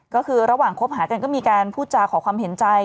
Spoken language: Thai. ก็คือระหว่างคบหากันก็มีการพูดจาขอความเห็นใจ